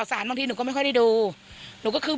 ว่ารู้อยู่ทีหมดจิตแล้ว